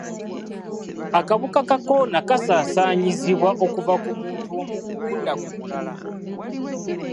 Akawuka ka kolona kasaasaanyizibwa okuva ku muntu omu okudda ku mulala.